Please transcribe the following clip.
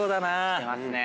してますね。